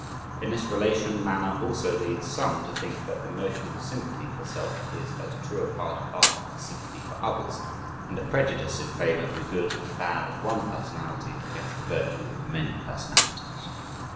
In this relation "manner" also leads some to think that emotional sympathy for self is as true a part of art as sympathy for others; and a prejudice in favor of the good and bad of one personality against the virtue of many personalities.